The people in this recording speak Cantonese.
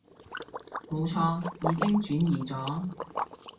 冇錯，已經轉移咗